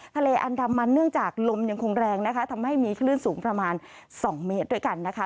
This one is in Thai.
ทะเลอันดามันเนื่องจากลมยังคงแรงนะคะทำให้มีคลื่นสูงประมาณ๒เมตรด้วยกันนะคะ